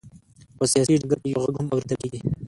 په سیاسي ډګر کې یې غږ هم اورېدل کېږي.